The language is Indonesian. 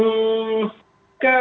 apa yang terjadi